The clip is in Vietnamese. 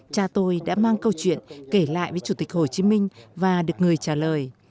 cha tôi đã mang câu chuyện kể lại với chủ tịch hồ chí minh và được người trả lời